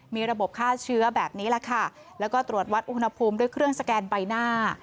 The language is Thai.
มีระบบฆ่าเชื้อแบบนี้แหละค่ะแล้วก็ตรวจวัดอุณหภูมิด้วยเครื่องสแกนใบหน้า